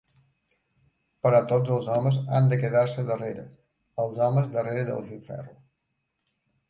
Però tots els homes han de quedar-se darrere, els homes darrere del filferro.